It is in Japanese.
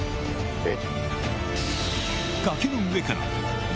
えっ⁉